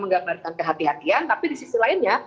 menggambarkan kehatian tapi di sisi lainnya